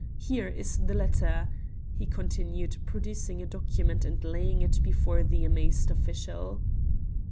Here is the letter," he continued, producing a document and laying it before the amazed official.